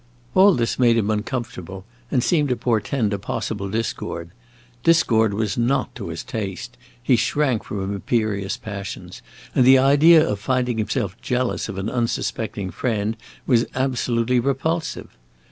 All this made him uncomfortable, and seemed to portend a possible discord. Discord was not to his taste; he shrank from imperious passions, and the idea of finding himself jealous of an unsuspecting friend was absolutely repulsive.